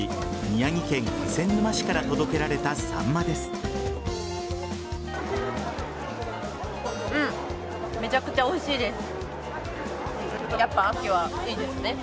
宮城県気仙沼市から届けられたサンマです。